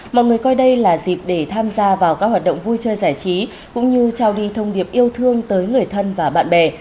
mọi người coi đây là dịp để tham gia vào các hoạt động vui chơi giải trí cũng như trao đi thông điệp yêu thương tới người thân và bạn bè